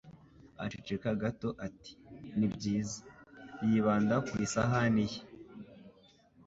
Aceceka gato ati: "Nibyiza", yibanda ku isahani ye.